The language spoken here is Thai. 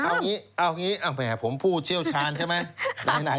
เอางี้เอางี้ผมพูดเชี่ยวชาญใช่ไหม